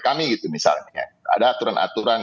kami gitu misalnya ada aturan aturan